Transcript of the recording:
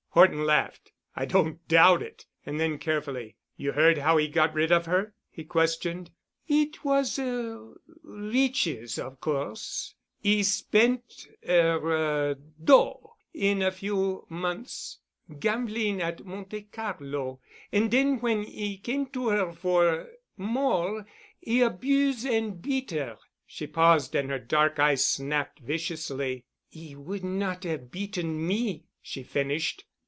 Horton laughed. "I don't doubt it." And then, carefully, "You heard how he got rid of her?" he questioned. "It was 'er riches, of course. 'E spent 'er 'dot' in a few month gambling at Monte Carlo, and den when 'e came to 'er for more 'e abuse and beat 'er." She paused and her dark eyes snapped viciously. "'E would not have beaten me," she finished.